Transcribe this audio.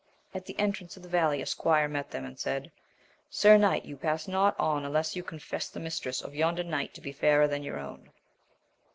At the entrance of the valley a squire met them, and said. Sir knight, you pass not on unless you confess the mistress of yonder knight to be fairer than your own.